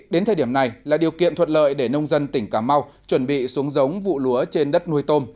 đến thời điểm này là điều kiện thuận lợi để nông dân tỉnh cà mau chuẩn bị xuống giống vụ lúa trên đất nuôi tôm